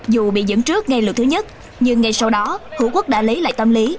dù bị dẫn trước ngay lượt thứ nhất nhưng ngay sau đó hữu quốc đã lấy lại tâm lý